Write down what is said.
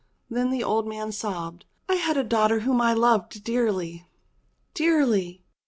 Then the old man sobbed, *'I had a daughter whom I loved dearly, dearly.